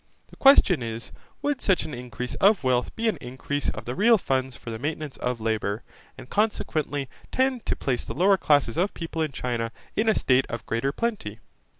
The question is, would such an increase of wealth be an increase of the real funds for the maintenance of labour, and consequently tend to place the lower classes of people in China in a state of greater plenty?